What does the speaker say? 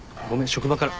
職場から。